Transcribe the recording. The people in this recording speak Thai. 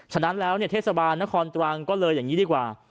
ฉะนั้นแล้วเทศบาลนครตรังก็เลยอย่างนี้ดีกว่า